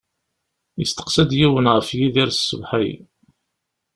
Yesteqsa-d yiwen ɣef Yidir ṣṣbeḥ-agi.